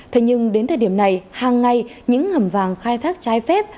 thế nhưng đến thời điểm này hàng ngày những hầm vàng khai thác trái phép